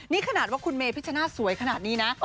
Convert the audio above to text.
นี่ขนาดว่าคุณเมพิชชนาศสวยขนาดนี้นะ